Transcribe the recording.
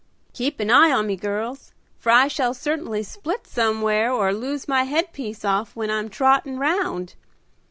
"Keep an eye on me, girls, for I shall certainly split somewheres or lose my head piece off when I'm trottin' round.